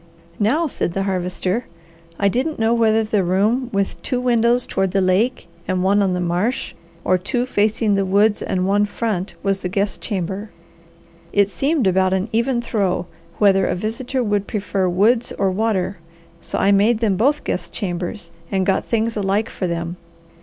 "Now," said the Harvester, "I didn't know whether the room with two windows toward the lake and one on the marsh, or two facing the woods and one front, was the guest chamber. It seemed about an even throw whether a visitor would prefer woods or water, so I made them both guest chambers, and got things alike for them.